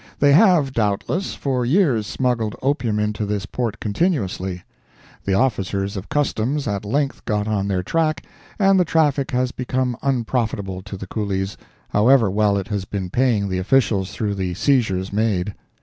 They have, doubtless, for years smuggled opium into this port continuously. The officers of Customs at length got on their track, and the traffic has become unprofitable to the Coolies, however well it has been paying the officials through the seizures made.